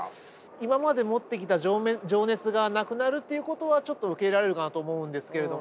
今まで持ってきた情熱がなくなるっていうことはちょっと受け入れられるかなと思うんですけれども。